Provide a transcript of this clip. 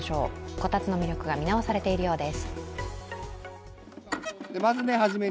こたつの魅力が見直されているようです。